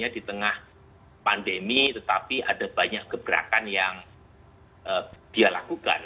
di tengah pandemi tetapi ada banyak gebrakan yang dia lakukan